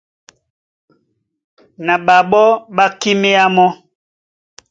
Na ɓaɓɔ́ ɓá kíméá mɔ́.